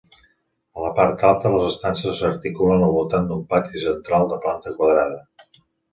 A la part alta, les estances s'articulen al voltant d'un pati central de planta quadrada.